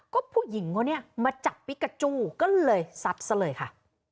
ก็ผู้หญิงเขานี้มาจับปิกระจูกันเลยสัดเสลยค่ะ